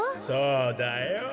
そうだよ。